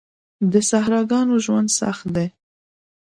د صحراګانو ژوند سخت دی.